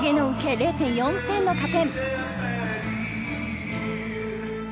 ０．４点の加点。